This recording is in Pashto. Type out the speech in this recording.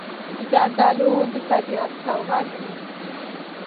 زردالو د طبیعت سوغات دی.